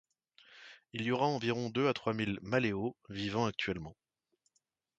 Il y aurait environ deux à trois mille maléos vivant actuellement.